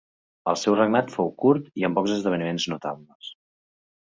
El seu regnat fou curt i amb pocs esdeveniments notables.